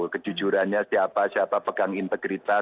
kejujurannya siapa pegang integritas